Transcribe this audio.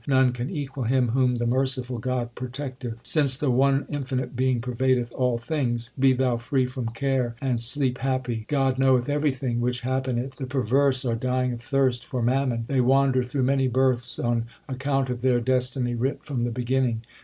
None can equal him Whom the merciful God protecteth. Since the one infinite Being pervadeth all things, Be thou free from care and sleep happy : God knoweth everything which happeneth. The perverse are dying of thirst for mammon ; They wander through many births on account of their destiny writ from the beginning.